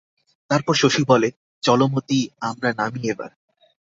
তারপর শশী বলে, চলো মতি, আমরা নামি এবার।